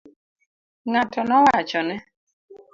Ng'ato nowachone.